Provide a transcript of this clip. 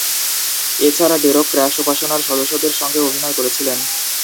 এছাড়া, ডেরক ক্র্যাশ উপাসনার সদস্যদের সঙ্গেও অভিনয় করেছিলেন।